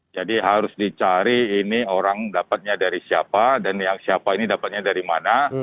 jadi harus dicari ini orang dapatnya dari siapa dan yang siapa ini dapatnya dari mana